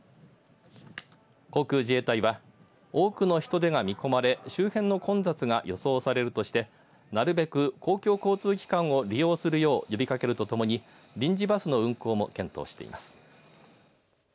航空自衛隊は多くの人出が見込まれ周辺の混雑が予想されるとしてなるべく公共交通機関を利用するよう呼びかけるとともに臨時バスの運行も検討しています。